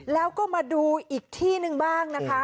แล้วก็มาดูอีกที่หนึ่งบ้างนะคะ